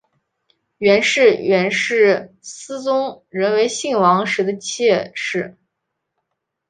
袁氏原是思宗仍为信王时的妾室。